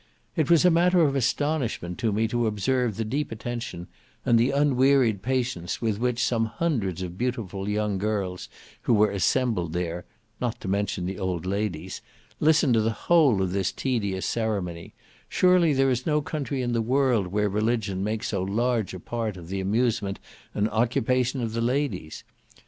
It was matter of astonishment to me to observe the deep attention, and the unwearied patience with which some hundreds of beautiful young girls who were assembled there, (not to mention the old ladies,) listened to the whole of this tedious ceremony; surely there is no country in the world where religion makes so large a part of the amusement and occupation of the ladies.